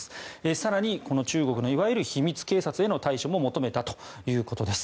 更に中国のいわゆる秘密警察への対処も求めたということです。